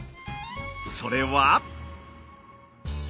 それは。